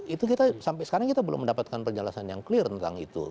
itu kita sampai sekarang kita belum mendapatkan penjelasan yang clear tentang itu